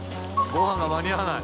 ごはんが間に合わない。